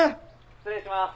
「失礼します」